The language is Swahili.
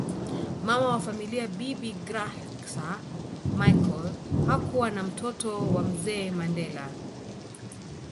Mama wa familia bibi Graca Michael hakuwa na mtoto kwa mzee Mandela